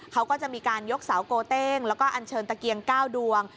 เขาก็จะมีการยกเสาโกเต้งแล้วก็อันเชิญตะเกียง๙ดวง